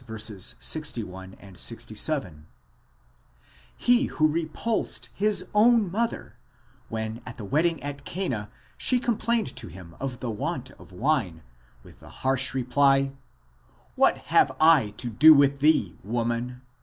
(vi. 61, 67); he who repulsed his own mother, when at the wedding at Cana she complained to him of the want of wine, with the harsh reply, What have I to do with thee, Woman?